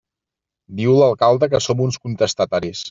Diu l'alcalde que som uns contestataris.